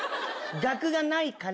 学がないから。